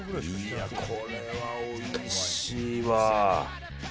これはおいしいわ。